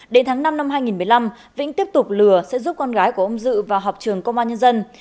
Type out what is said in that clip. đến tháng năm năm hai nghìn một mươi năm vĩnh tiếp tục lừa sẽ giúp con gái của ông dự vào học trường công an nhân dân